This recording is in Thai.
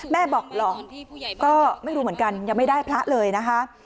บอกหรอกก็ไม่รู้เหมือนกันยังไม่ได้พระเลยนะคะ